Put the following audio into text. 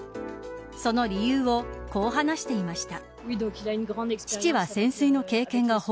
その理由をこう話していました。